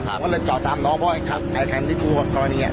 ก็เลยจอดตามน้องเพราะไอ้คันไอ้คันที่พูดว่าตอนนี้อ่ะ